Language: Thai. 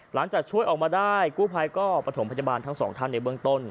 หลังจากช่วยออกมาได้กู้ภัยก็ประถมพยาบาลทั้งสองท่านในเบื้องต้น